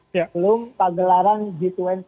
belum kegelaran g dua puluh